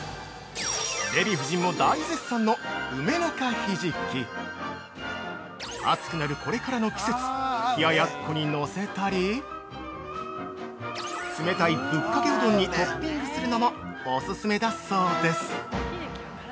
◆デヴィ夫人も大絶賛の「梅の香ひじき」。暑くなるこれからの季節、冷やっこにのせたり、冷たいぶっかけうどんにトッピングするのもオススメだそうです！